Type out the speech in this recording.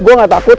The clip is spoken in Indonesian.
gue gak takut